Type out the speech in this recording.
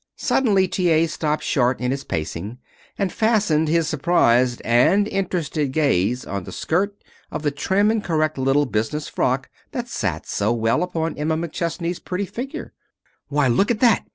Suddenly T. A. stopped short in his pacing and fastened his surprised and interested gaze on the skirt of the trim and correct little business frock that sat so well upon Emma McChesney's pretty figure. "Why, look at that!"